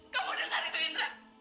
kamu dengar itu indra